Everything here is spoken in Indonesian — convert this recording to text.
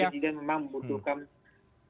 jadi kebijikan memang membutuhkan dukungan pendanaan